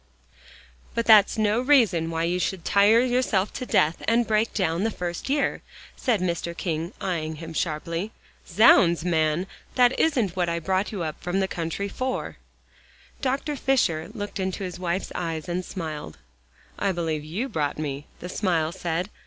"But that's no reason why you should tire yourself to death, and break down the first year," said Mr. King, eyeing him sharply. "Zounds, man, that isn't what I brought you up from the country for." Dr. Fisher looked into his wife's eyes and smiled. "I believe you brought me," the smile said.